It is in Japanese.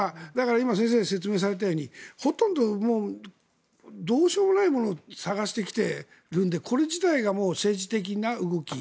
今、先生が説明されたようにほとんどどうしようもないものを探してきているのでこれ自体が政治的な動き。